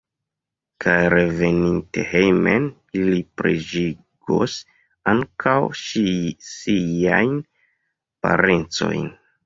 Kaj reveninte hejmen ili preĝigos ankaŭ siajn parencojn.